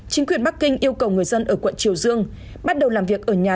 chính quyền bắc kinh yêu cầu người dân ở quận triều dương bắt đầu làm việc ở nhà